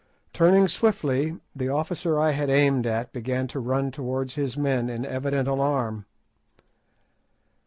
Turning swiftly, the officer I had aimed at began to run towards his men in evident alarm.